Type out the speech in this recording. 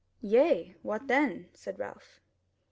"Yea, what then?" said Ralph.